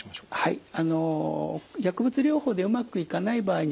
はい。